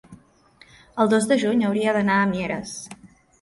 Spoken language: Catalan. el dos de juny hauria d'anar a Mieres.